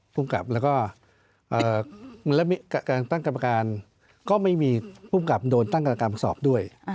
ผู้กรรมแล้วก็การตั้งกรรมการก็ไม่มีผู้กรรมการโดนตั้งกรรมการประสอบด้วย